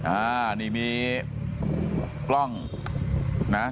อ่านี่มีกล้องนะ